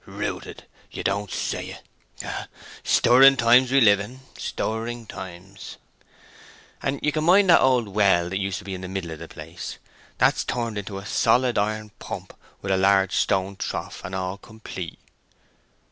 "Rooted?—you don't say it! Ah! stirring times we live in—stirring times." "And you can mind the old well that used to be in the middle of the place? That's turned into a solid iron pump with a large stone trough, and all complete."